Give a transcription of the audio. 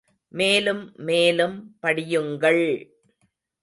மேலும் மேலும் படியுங்கள்!